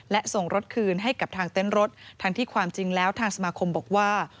และส่งรถคืนให้กับทางเต้นรถทั้งที่ความจริงแล้วทางสมาคมบอกว่า